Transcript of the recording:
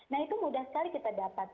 nah itu mudah sekali kita dapat